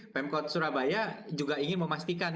pemkot surabaya juga ingin memastikan